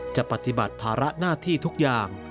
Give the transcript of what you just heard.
จะปฏิบัติภาระหน้าที่ทุกอย่าง